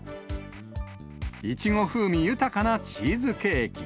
イチゴ風味豊かなチーズケーキ。